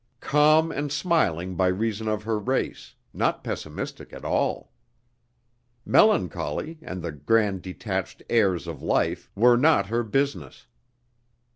Calm and smiling by reason of her race, not pessimistic at all. Melancholy, and the grand detached airs of life were not her business.